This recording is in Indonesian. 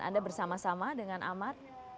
anda bersama sama dengan amar